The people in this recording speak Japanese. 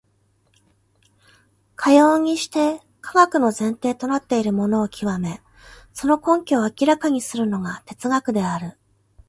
かようにして科学の前提となっているものを究め、その根拠を明らかにするのが哲学である。